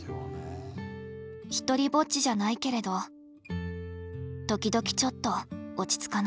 独りぼっちじゃないけれど時々ちょっと落ち着かない。